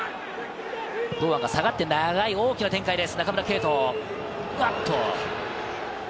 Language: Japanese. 堂安が下がって大きな展開です。